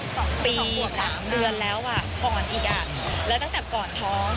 สองปีสามเดือนแล้วอ่ะก่อนอีกอ่ะแล้วตั้งแต่ก่อนท้อง